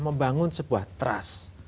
membangun sebuah trust